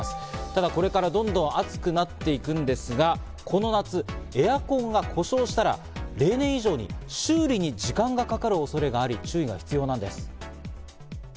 ただ、これからどんどん暑くなっていくんですが、この夏、エアコンが故障したら、例年以上に修理に時間がかかる恐れがあり、注意が必要なんです。